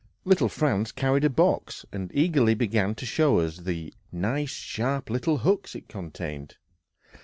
Little Franz carried a box, and eagerly began to show us the "nice sharp little hooks" it contained.